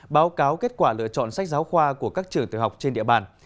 báo cáo kết quả lựa chọn sách giáo khoa của các trường tiểu học trên địa bàn